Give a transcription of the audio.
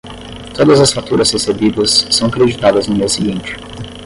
Todas as faturas recebidas são creditadas no mês seguinte.